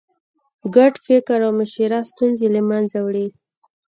ګډ فکر او مشوره ستونزې له منځه وړي.